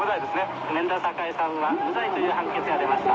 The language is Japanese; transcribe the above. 免田栄さんが無罪という判決が出ました。